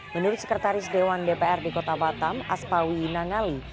menurut sekretaris dewan dprd kota batam aspawi nangali